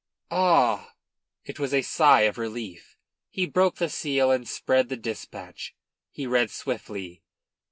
"Ah!!" It was a sigh of relief. He broke the seal and spread the dispatch. He read swiftly.